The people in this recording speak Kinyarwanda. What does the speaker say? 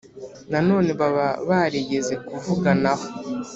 nanone baba barigeze kuvuganaho.